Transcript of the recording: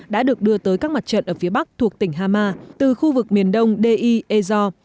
đã được đưa tới các mặt trận ở phía bắc thuộc tỉnh hama từ khu vực miền đông dei ezo